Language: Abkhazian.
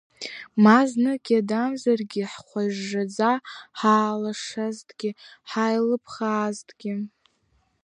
Ма знык иадамзаргьы ҳхәажжаӡа ҳаалашазҭгьы ҳааилыԥхаазҭгьы.